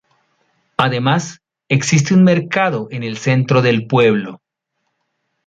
Además, existe un mercado en el centro del pueblo.